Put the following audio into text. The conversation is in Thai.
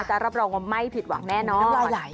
จะรับรองว่าไม่ผิดหวังแน่นอน